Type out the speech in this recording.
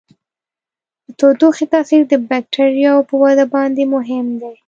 د تودوخې تاثیر د بکټریاوو په وده باندې مهم دی.